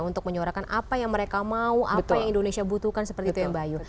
untuk menyuarakan apa yang mereka mau apa yang indonesia butuhkan seperti itu ya mbak ayu